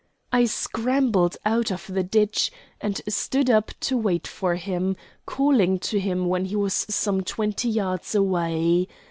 I scrambled out of the ditch and stood up to wait for him, calling to him when he was some twenty yards away.